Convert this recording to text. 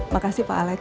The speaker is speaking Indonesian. makasih pak alex